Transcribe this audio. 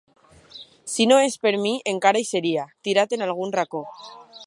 Si no és per mi encara hi seria, tirat en algun racó.